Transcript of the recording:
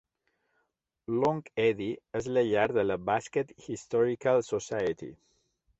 Long Eddy és la llar de la Basket Historical Society.